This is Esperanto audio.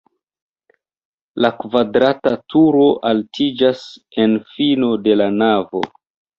La kvadrata turo altiĝas en fino de la navo.